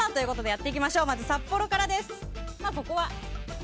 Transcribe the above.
まず、札幌からです。